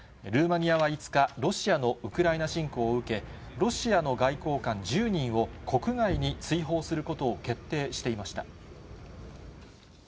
ルーマニアは５日、ロシアのウクライナ侵攻を受け、ロシアの外交官１０人を国外に追放することを決定していました。